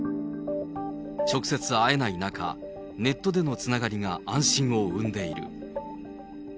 直接会えない中、ネットでのつながりが安心を生んでいる。